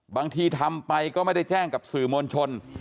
บางทีทำไปก็ไม่ได้แจ้งกับสื่อมวลชน